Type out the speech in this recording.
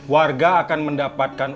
warga akan mendapatkan